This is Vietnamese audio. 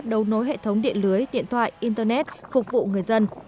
đấu nối hệ thống điện lưới điện thoại internet phục vụ người dân